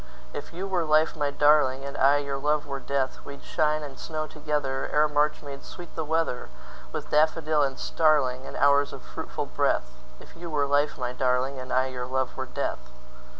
If you were life, my darling, And I your love were death, We'd shine and snow togetherEre March made sweet the weatherWith daffodil and starlingAnd hours of fruitful breath; If you were life, my darling, And I your love were death.